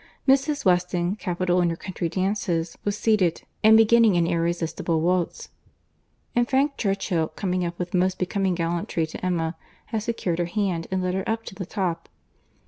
Mrs. Weston, capital in her country dances, was seated, and beginning an irresistible waltz; and Frank Churchill, coming up with most becoming gallantry to Emma, had secured her hand, and led her up to the top.